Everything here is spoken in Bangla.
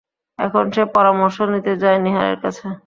এখন সে পরামর্শ নিতে যায় নীহারের কাছে।